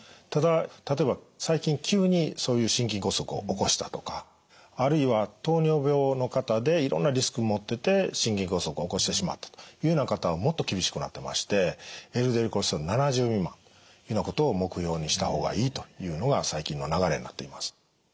ただ例えば最近急にそういう心筋梗塞を起こしたとかあるいは糖尿病の方でいろんなリスク持ってて心筋梗塞を起こしてしまったというような方はもっと厳しくなってましてＬＤＬコレステロール７０未満というようなことを目標にした方がいいというのが最近の流れになっています。